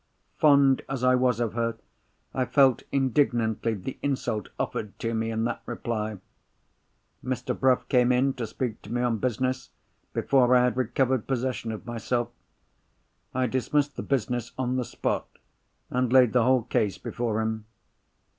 Fond as I was of her, I felt indignantly the insult offered to me in that reply. Mr. Bruff came in to speak to me on business, before I had recovered possession of myself. I dismissed the business on the spot, and laid the whole case before him.